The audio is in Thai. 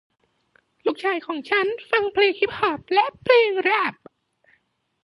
ลูกชายของฉันฟังเพลงฮิพฮอพและเพลงแรพ